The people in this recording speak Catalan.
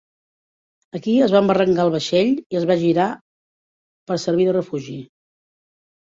Aquí es va embarrancar el vaixell i es va girar per servir de refugi.